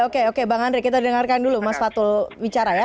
oke oke bang andri kita dengarkan dulu mas fatul bicara ya